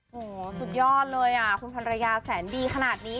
โหสุดยอดเลยคุณพรรยาแสนดีขนาดนี้